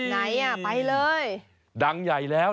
ไหนอ่ะไปเลย